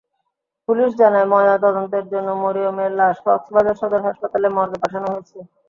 Police জানায়, ময়নাতদন্তের জন্য মরিয়মের লাশ কক্সবাজার সদর হাসপাতালের মর্গে পাঠানো হয়েছে।